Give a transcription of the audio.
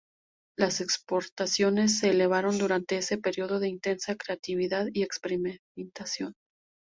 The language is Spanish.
Las exportaciones se elevaron durante ese período de intensa creatividad y experimentación.